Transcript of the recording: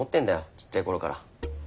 ちっちゃいころから。